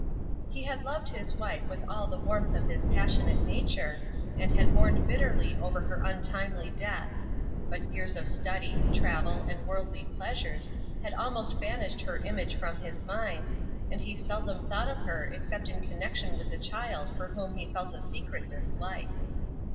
He had loved his wife with all the warmth of his passionate nature, and had mourned bitterly over her untimely death; but years of study, travel and worldly pleasures had almost banished her image from his mind, and he seldom thought of her except in connection with the child for whom he felt a secret dislike.